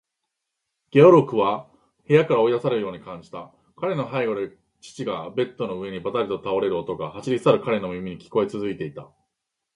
ゲオルクは部屋から追い出されるように感じた。彼の背後で父がベッドの上にばたりと倒れる音が、走り去る彼の耳に聞こえつづけていた。